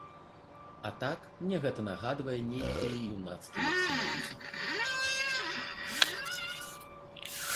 А так мне гэта нагадвае нейкі юнацкі максімалізм.